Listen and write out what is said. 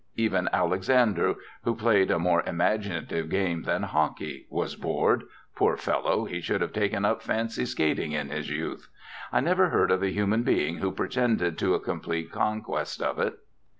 Even Alexander, who played a more imaginative game than hockey, was bored poor fellow, he should have taken up fancy skating in his youth; I never heard of a human being who pretended to a complete conquest of it.